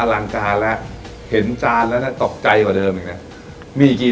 ลังการแล้วเห็นจานแล้วนะตกใจกว่าเดิมอีกนะมีกี่